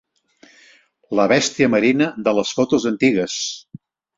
La bèstia marina de les fotos antigues.